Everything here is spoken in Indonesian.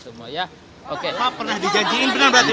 pak pernah dijanjikan benar gak pak